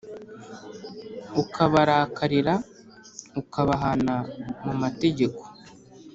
ukabarakarira ukabahana mu mategeko